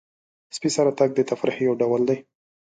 سپي سره تګ د تفریح یو ډول دی.